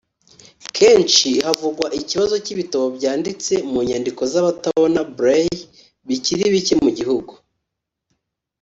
Kenshi havugwa ikibazo cy’ibitabo byanditse mu nyandiko z’abatabona ( braille) bikiri bike mu gihugu